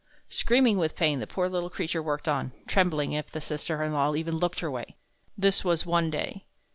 Screaming with pain, the poor little creature worked on, trembling if the sister in law even looked her way. This was one day.